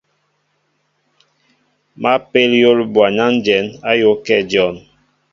Ma pél yǒl ɓɔwnanjɛn ayōōakɛ dyon.